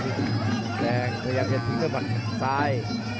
สีแดงพยายามจะทิ้งด้วยผ่านข้างซ้าย